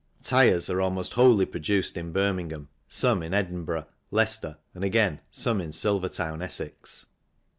Tyres MATERIALS 31 are almost wholly produced in Birmingham, some in Edinburgh, Leicester, and, again, some in Silvertown, Essex.